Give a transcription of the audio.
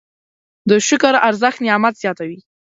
د شکر ارزښت نعمت زیاتوي.